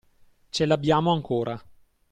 Ce l'abbiamo ancora.